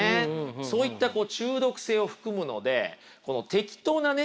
そういった中毒性を含むので難しいことですよね。